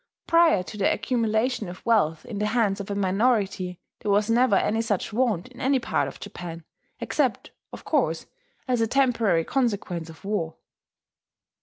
Prior to the accumulation of wealth in the hands of a minority there was never any such want in any part of Japan, except, of course, as a temporary consequence of war.